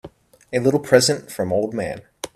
A little present from old man.